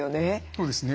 そうですね。